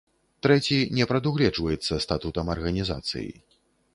Трэці не прадугледжваецца статутам арганізацыі.